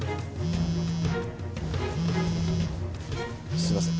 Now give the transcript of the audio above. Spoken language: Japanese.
すいません。